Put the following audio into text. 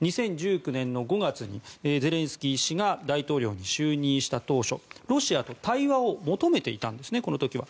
２０１９年５月にゼレンスキー氏が大統領に就任した当初ロシアと対話を求めていたんですね、この時は。